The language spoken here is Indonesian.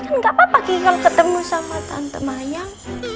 kan gak apa apa kiki kalau ketemu sama tante mayang